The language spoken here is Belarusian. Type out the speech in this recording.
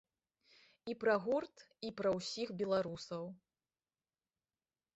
І пра гурт, і пра ўсіх беларусаў.